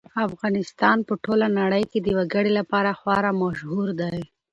افغانستان په ټوله نړۍ کې د وګړي لپاره خورا مشهور دی.